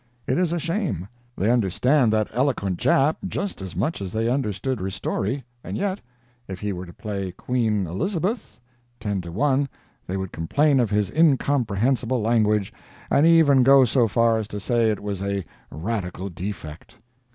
It is a shame. They understand that eloquent Jap just as much as they understood Ristori, and yet, if he were to play Queen Elizabeth, ten to one they would complain of his incomprehensible language, and even go so far as to say it was a radical defect.